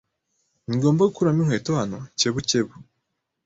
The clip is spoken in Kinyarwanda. Ningomba gukuramo inkweto hano? (kebukebu)